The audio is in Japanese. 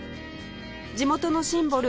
地元のシンボル